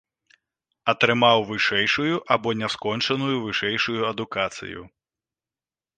Атрымаў вышэйшую або няскончаную вышэйшую адукацыю.